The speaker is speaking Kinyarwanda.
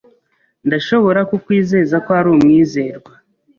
Ndashobora kukwizeza ko ari umwizerwa.